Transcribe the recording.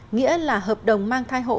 nghĩa là hợp đồng mang thai hộ